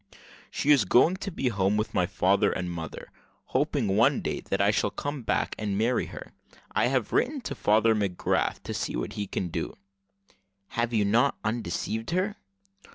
"She is going home to be with my father and mother, hoping one day that I shall come back and marry her. I have written to Father McGrath to see what he can do." "Have you then not undeceived her?"